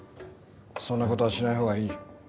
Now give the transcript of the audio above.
そんなことはしないほうがいい。